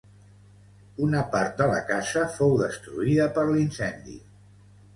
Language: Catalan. Una part de la casa fou destruïda per l'incendi.